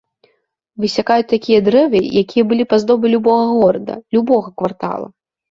Высякаюць такія дрэвы, якія былі б аздобай любога горада, любога квартала!